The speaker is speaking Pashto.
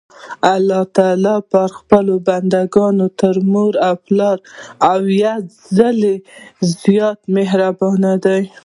الله تعالی په خپلو بندګانو تر مور او پلار اويا ځلي زيات مهربان دي.